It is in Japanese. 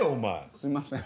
すいません。